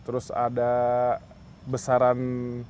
terus ada besaran lapangan